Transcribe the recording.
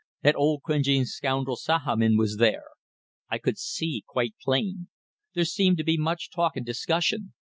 That old cringing scoundrel Sahamin was there. I could see quite plain. There seemed to be much talk and discussion.